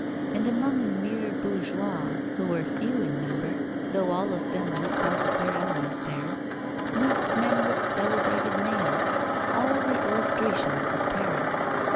And among the mere bourgeois, who were few in number, though all of them looked out of their element there, moved men with celebrated names all the illustrations of Paris.